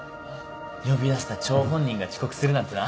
呼び出した張本人が遅刻するなんてな。